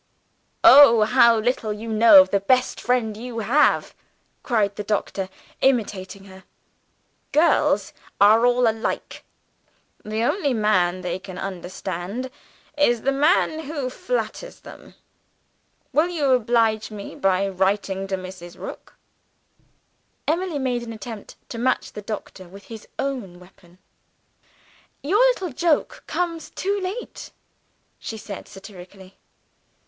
"Oh, how little you know of the best friend you have!" cried the doctor, imitating her. "Girls are all alike; the only man they can understand, is the man who flatters them. Will you oblige me by writing to Mrs. Rook?" Emily made an attempt to match the doctor, with his own weapons. "Your little joke comes too late," she said satirically.